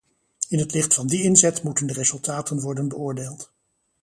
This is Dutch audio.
In het licht van die inzet moeten de resultaten worden beoordeeld.